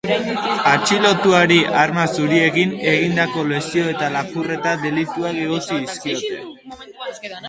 Atxilotuari arma zuriekin egindako lesio eta lapurreta delituak egotzi dizkiote.